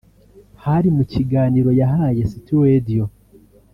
hari mu kiganiro yahaye City Radio